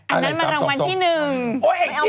อันนั้นมันรางวัลที่๑